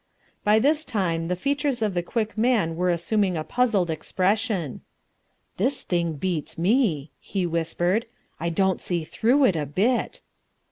By this time the features of the Quick Man were assuming a puzzled expression. "This thing beats me," he whispered, "I don't see through it a bit."